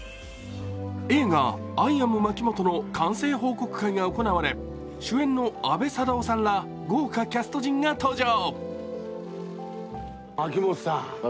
映画「アイ・アムまきもと」の完成報告会が行われ主演の阿部サダヲさんら豪華キャスト陣が登場。